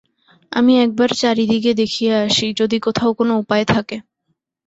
আমি একবার চারিদিকে দেখিয়া আসি যদি কোথাও কোন উপায় থাকে।